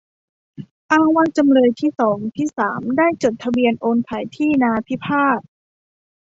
อ้างว่าจำเลยที่สอง ที่สาม ได้จดทะเบียนโอนขายที่นาพิพาท